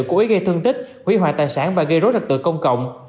của ý gây thương tích hủy hỏa tài sản và gây rối trật tự công cộng